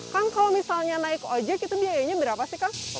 kang kalau misalnya naik ojek itu biayanya berapa sih kang